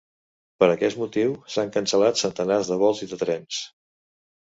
Per aquest motiu s’han cancel·lat centenars de vols i de trens.